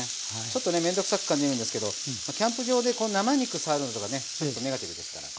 ちょっとねめんどくさく感じるんですけどキャンプ場で生肉触るのとかねちょっとネガティブですから。